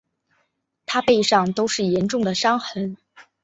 她背上都是严重的伤痕